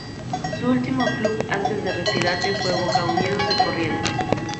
Su último club antes de retirarse fue Boca Unidos de Corrientes.